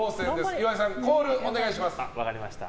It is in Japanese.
岩井さん、コールお願いします。